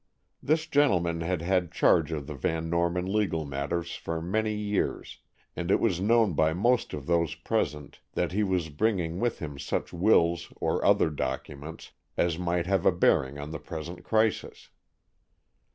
This gentleman had had charge of the Van Norman legal matters for many years, and it was known by most of those present that he was bringing with him such wills or other documents as might have a bearing on the present crisis.